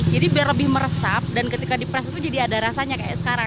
jadi biar lebih meresap dan ketika dipres itu jadi ada rasanya kayak sekarang